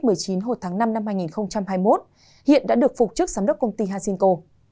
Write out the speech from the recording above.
hồi tháng năm năm hai nghìn hai mươi một hiện đã được phục trức giám đốc công ty hasinko